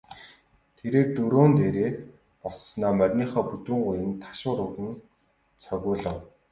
Тэрээр дөрөөн дээрээ боссоноо мориныхоо бүдүүн гуянд ташуур өгөн цогиулав.